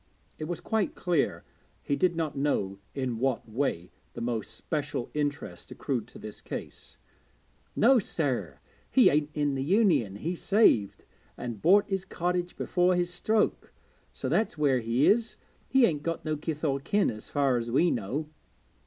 It was quite clear he did not know in what way the most special interest accrued to this case. 'No sir, he ain't in the Union; he saved, and bought his cottage before his stroke, so that's where he is. He ain't got no kith or kin, as far as we know.'